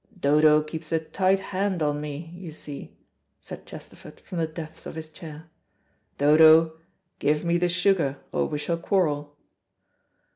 "Dodo keeps a tight hand on me, you see," said Chesterford, from the depths of his chair. "Dodo, give me the sugar, or we shall quarrel."